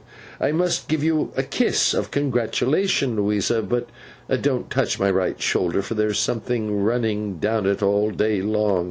I must give you a kiss of congratulation, Louisa; but don't touch my right shoulder, for there's something running down it all day long.